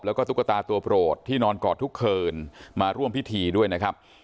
แล้วก็ตุ๊กตาตัวโปรดที่นอนกอดทุกคืนมาร่วมพิธีด้วยนะครับ